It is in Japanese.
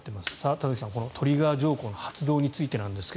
田崎さん、このトリガー条項の発動についてなんですが。